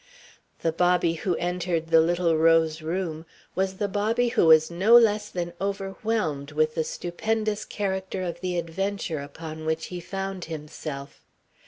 The Bobby who entered the little rose room was the Bobby who was no less than overwhelmed with the stupendous character of the adventure upon which he found himself.